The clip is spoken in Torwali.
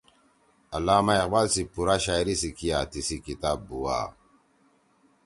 علامہ اقبال سی پُورا شاعری سی کیا تیِسی کتاب بُوا